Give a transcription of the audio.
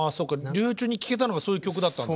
療養中に聴けたのがそういう曲だったんだ。